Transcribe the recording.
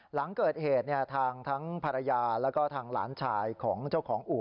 หลังเกิดเหตุทางทั้งภรรยาแล้วก็ทางหลานชายของเจ้าของอู่